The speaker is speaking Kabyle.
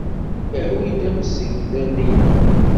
Awi-d amsegdal-nnem.